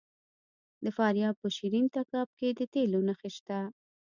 د فاریاب په شیرین تګاب کې د تیلو نښې شته.